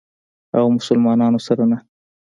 او مسلمانانو سره نه.